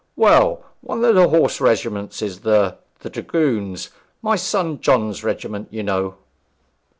Well, one of the horse regiments is the th Dragoons, my son John's regiment, you know.'